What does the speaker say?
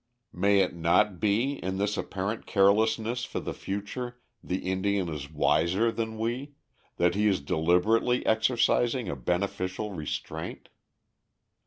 May it not be in this apparent carelessness for the future the Indian is wiser than we, that he is deliberately exercising a beneficial restraint?